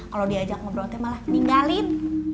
kalau diajak ngobrol dia malah ninggalin